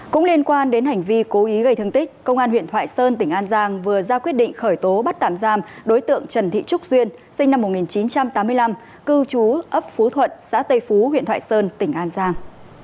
cũng liên quan đến hành vi cố ý gây thương tích công an huyện thoại sơn tỉnh an giang vừa ra quyết định khởi tố bắt tạm giam đối tượng trần thị trúc duyên sinh năm một nghìn chín trăm tám mươi năm cư trú ấp phú thuận xã tây phú huyện thoại sơn tỉnh an giang